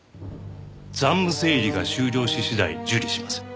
残務整理が終了し次第受理します。